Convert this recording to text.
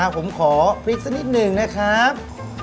ผมขอพริกสักนิดหนึ่งนะครับ